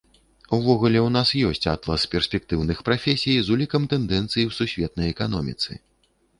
Увогуле, у нас ёсць атлас перспектыўных прафесій з улікам тэндэнцый у сусветнай эканоміцы.